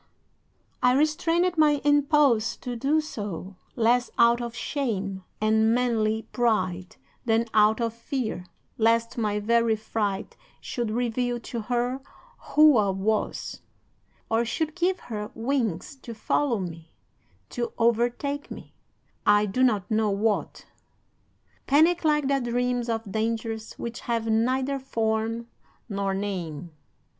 I restrained my impulse to do so, less out of shame and manly pride than out of fear lest my very fright should reveal to her who I was, or should give her wings to follow me, to overtake me I do not know what. Panic like that dreams of dangers which have neither form nor name.